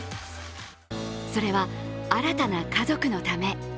それは、新たな家族のため。